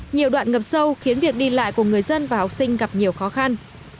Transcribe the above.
nhiều đoạn ngập sâu khiến việc đi lại của người dân và học sinh gặp nhiều khó khăn